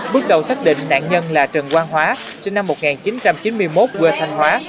bước đầu xác định nạn nhân là trần quang hóa sinh năm một nghìn chín trăm chín mươi một quê thanh hóa